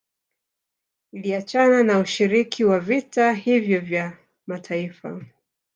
Iliachana na ushiriki wa vita hivyo vya mataifa